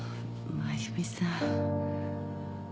真弓さん。